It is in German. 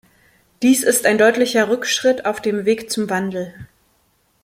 Dies ist ein deutlicher Rückschritt auf dem Weg zum Wandel.